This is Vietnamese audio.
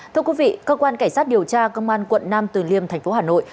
thưa quý vị cơ quan cảnh sát điều tra công an quận nam từ liêm thành phố hà nội